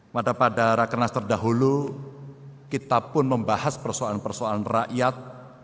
pada pada rakernas terdahulu kita pun membahas persoalan persoalan rakyat